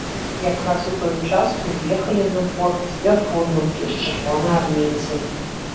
Якраз у той час уз'ехалі на двор дзве фурманкі з чырвонаармейцамі.